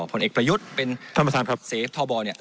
ผลเอกประยุทธิ์เป็นทศธบเนี่ย